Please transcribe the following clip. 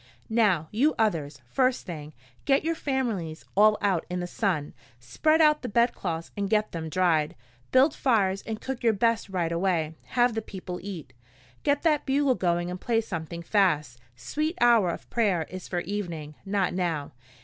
"Now, you others, first thing, get your families all out in the sun. Spread out the bedclothes and get them dried. Build fires and cook your best right away have the people eat. Get that bugle going and play something fast Sweet Hour of Prayer is for evening, not now.